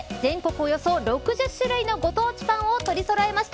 およそ６０種類のご当地パンを取りそろえました。